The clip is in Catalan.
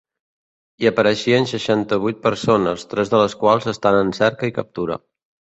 Hi apareixien seixanta-vuit persones, tres de les quals estan en cerca i captura.